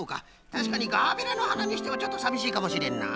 たしかにガーベラのはなにしてはちょっとさびしいかもしれんな。